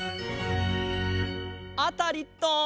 アタリット！